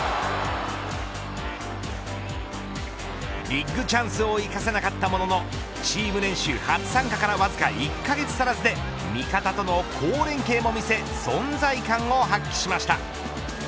ビッグチャンスを生かせなかったもののチーム練習初参加からわずか１カ月足らずで味方との好連係も見せ存在感を発揮しました。